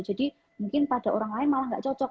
jadi mungkin pada orang lain malah gak cocok